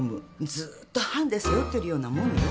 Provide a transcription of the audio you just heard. ずっとハンデ背負ってるようなもんよ？